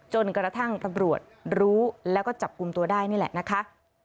จนกระทั่งตำรวจรู้แล้วก็จับกลุ่มตัวได้นี่แหละนะคะ